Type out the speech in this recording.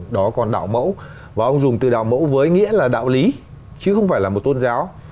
đó còn đạo mẫu và ông dùng từ đạo mẫu với nghĩa là đạo lý chứ không phải là một tôn giáo